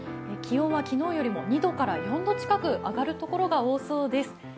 気温は昨日よりも２度から４度近く上がるところが多そうです。